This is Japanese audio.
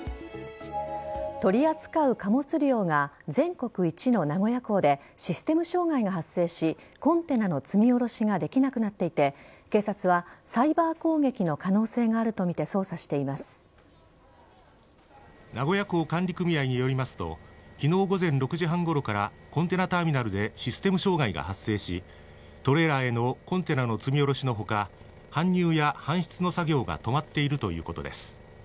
取り扱う貨物量が全国一の名古屋港でシステム障害が発生しコンテナの積み下ろしができなくなっていて警察は、サイバー攻撃の可能性があるとみて名古屋港管理組合によりますと昨日午前６時半ごろからコンテナターミナルでシステム障害が発生しトレーラーへのコンテナの積み下ろしの他搬入や搬出の作業が止まっているということです。